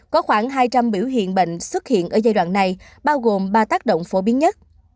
có khoảng hai trăm linh biểu hiện bệnh xuất hiện ở giai đoạn này bao gồm ba tác động phổ biến nhất